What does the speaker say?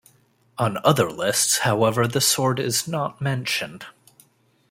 On other lists, however, the sword is not mentioned.